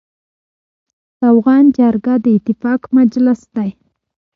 د افغان جرګه د اتفاق مجلس دی.